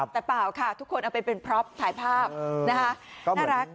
แต่เปล่าค่ะทุกคนเอาไปเป็นพร็อปถ่ายภาพนะคะน่ารัก